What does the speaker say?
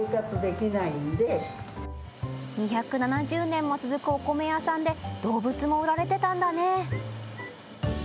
２７０年も続くお米屋さんで動物も売られていたんだね。